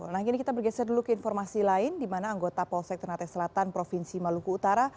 nah kini kita bergeser dulu ke informasi lain di mana anggota polsek ternate selatan provinsi maluku utara